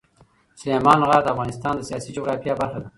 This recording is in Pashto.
سلیمان غر د افغانستان د سیاسي جغرافیه برخه ده.